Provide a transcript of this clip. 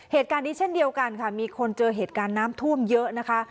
เหตุการณ์นี้เช่นเดียวกันค่ะมีคนเจอเหตุการณ์น้ำท่วมเยอะนะคะ